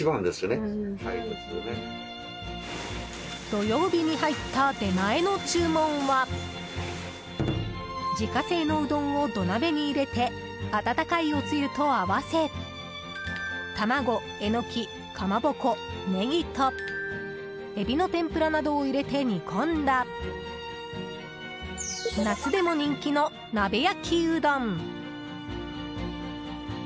土曜日に入った出前の注文は自家製のうどんを土鍋に入れて温かいおつゆと合わせ卵、エノキ、かまぼこ、ネギとエビの天ぷらなど入れて煮込んだ夏でも人気の鍋焼きうどん。